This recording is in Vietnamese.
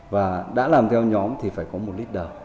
và đã làm theo nhóm thì phải có một leader